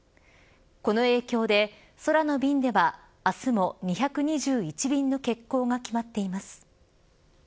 この影響で、空の便では明日も２２１便の欠航が決まっています。